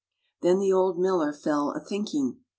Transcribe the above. " Then the old miller fell a thinking.